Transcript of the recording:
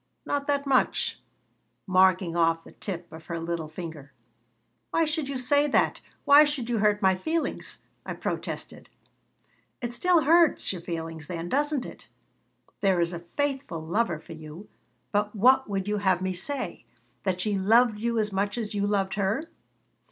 Not that much," marking off the tip of her little finger "Why should you say that? Why should you hurt my feelings?" I protested "It still hurts your feelings, then, does it? There is a faithful lover for you! But what would you have me say? That she loved you as much as you loved her?"